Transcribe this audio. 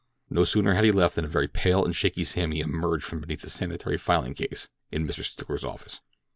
No sooner had he left than a very pale and shaky Sammy emerged from beneath the sanitary filing case in Mr. Stickler's office.